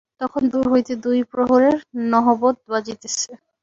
তখন দূর হইতে দুই প্রহরের নহবত বাজিতেছে।